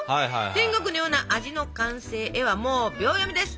天国のような味の完成へはもう秒読みです！